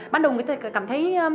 ban đầu người ta cảm thấy